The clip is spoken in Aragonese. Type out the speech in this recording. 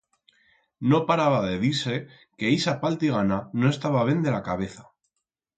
No paraba de dir-se que ixa paltigana no estaba ben de la cabeza.